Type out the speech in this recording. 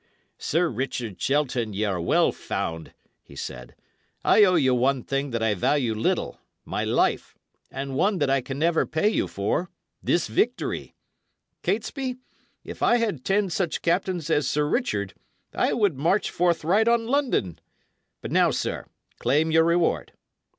"Sir Richard Shelton, ye are well found," he said. "I owe you one thing that I value little, my life; and one that I can never pay you for, this victory. Catesby, if I had ten such captains as Sir Richard, I would march forthright on London. But now, sir, claim your reward."